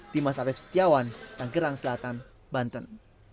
dimas arief setiawan tanggerang selatan banten